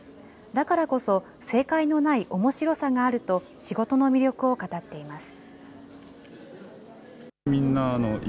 だからこそ正解のないおもしろさがあると、仕事の魅力を語っています。